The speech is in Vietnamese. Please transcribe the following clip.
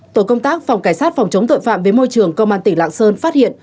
tổ công tác phòng cảnh sát phòng chống tội phạm với môi trường công an tỉnh lạng sơn phát hiện